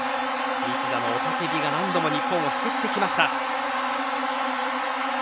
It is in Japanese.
西田の雄たけびが何度も日本を救ってきました。